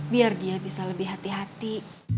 biar dia bisa lebih hati hati